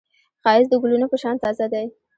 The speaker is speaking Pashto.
ښایست د ګلونو په شان تازه دی